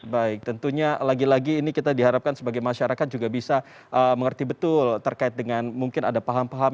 baik tentunya lagi lagi ini kita diharapkan sebagai masyarakat juga bisa mengerti betul terkait dengan mungkin ada paham paham